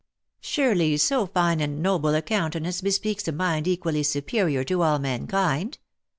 Surely so fine and noble a countenance bespeaks a mind equally superior to all mankind.